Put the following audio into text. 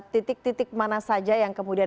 titik titik mana saja yang kemudian